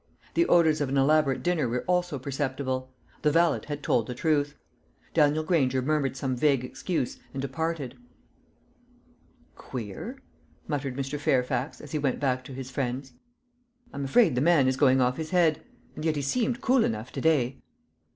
The odours of an elaborate dinner were also perceptible. The valet had told the truth. Daniel Granger murmured some vague excuse, and departed. "Queer!" muttered Mr. Fairfax as he went back to his friends. "I'm afraid the man is going off his head; and yet he seemed cool enough to day."